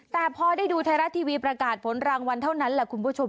แต่พอได้ดูไทยรัฐทีวีประกาศผลรางวัลเท่านั้นแหละคุณผู้ชม